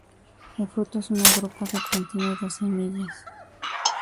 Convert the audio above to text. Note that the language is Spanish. El fruto es una drupa que contiene dos semillas.